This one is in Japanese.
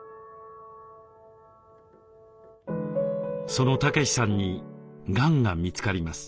その武士さんにがんが見つかります。